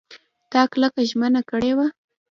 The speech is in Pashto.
تا کلکه ژمنه کړې وه !